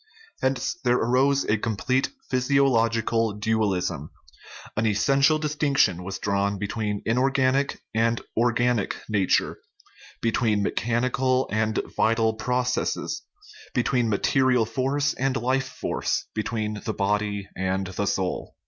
Hence there arose a com plete physiological dualism an essential distinction was drawn between inorganic and organic nature, be tween mechanical and vital processes, between material force and life force, between the body and the soul.